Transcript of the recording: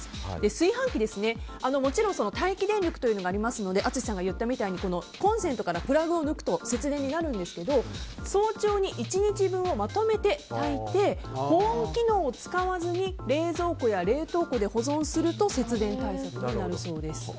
炊飯器、もちろん待機電力がありますので淳さんが言ったみたいにコンセントをプラグから抜くことも節電になるんですが早朝に１日分をまとめて炊いて保温機能を使わずに冷蔵庫や冷凍庫で保存すると節電対策になるそうです。